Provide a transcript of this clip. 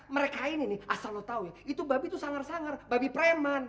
mereka ini nih asal lo tau ya itu babi tuh sangar sangar babi preman